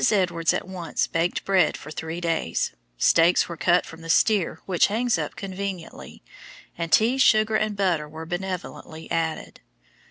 Edwards at once baked bread for three days, steaks were cut from the steer which hangs up conveniently, and tea, sugar, and butter were benevolently added.